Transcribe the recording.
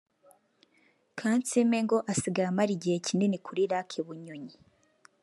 Kansiime ngo asigaye amara igihe kinini kuri Lake Bunyonyi